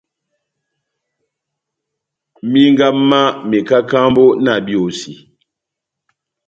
Minga má mekakambo na biosi.